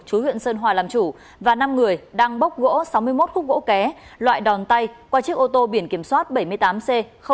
chú huyện sơn hòa làm chủ và năm người đang bốc gỗ sáu mươi một khúc gỗ ké loại đòn tay qua chiếc ô tô biển kiểm soát bảy mươi tám c tám nghìn bốn mươi